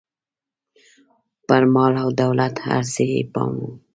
پر مال او دولت هر څه یې پام و.